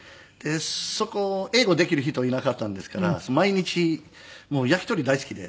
そこ英語できる人いなかったですから毎日焼き鳥大好きで。